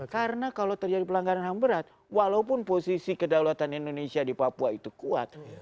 karena kalau terjadi pelanggaran ham berat walaupun posisi kedaulatan indonesia di papua itu kuat